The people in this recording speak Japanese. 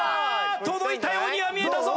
届いたようには見えたぞ。